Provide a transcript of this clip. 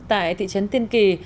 tại thị trấn tiên kỳ